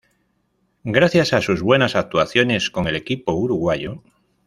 Gracias a sus buenas actuaciones con el equipo uruguayo.